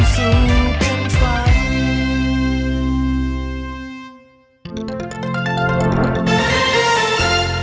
สวัสดีครับ